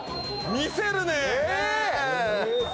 見せるね！